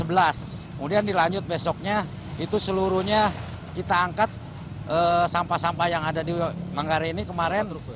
kemudian dilanjut besoknya itu seluruhnya kita angkat sampah sampah yang ada di manggarai ini kemarin